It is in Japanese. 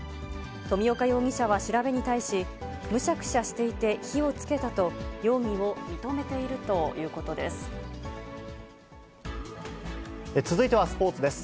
富岡容疑者は調べに対し、むしゃくしゃしていて火をつけたと、容疑を認めているということ続いてはスポーツです。